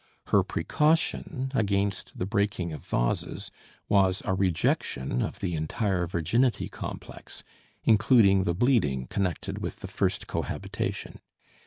Her precaution against the breaking of vases was a rejection of the entire virginity complex, including the bleeding connected with the first cohabitation.